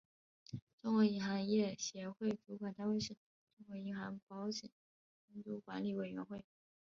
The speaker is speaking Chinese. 中国银行业协会主管单位是中国银行保险监督管理委员会。